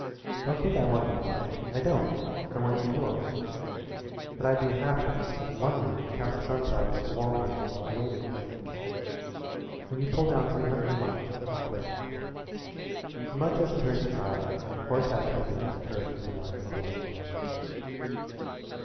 Don't think I want to be public I don't. I want to be yours. But I'd be a half wit to sit in one room and count the sunflowers on the wall paper while I waited for you. When you pull down three hundred a month I'll quit." And much as it hurt his pride, Horace had to admit that hers was the wiser course.